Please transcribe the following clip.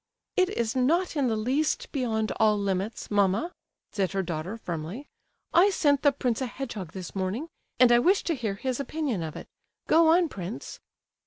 "It is not in the least beyond all limits, mamma!" said her daughter, firmly. "I sent the prince a hedgehog this morning, and I wish to hear his opinion of it. Go on, prince."